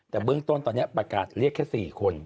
แต่เบื้องต้นตอนนี้ประกาศเรียกแค่๔คน